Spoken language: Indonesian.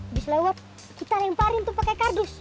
abis lewat kita lemparin tuh pake kardus